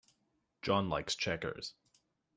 John likes checkers.